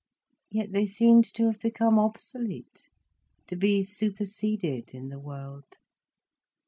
Yet they seemed to have become obsolete, to be superseded in the world.